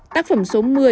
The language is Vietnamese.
tác phẩm số một mươi